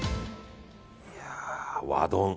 いやー、和丼。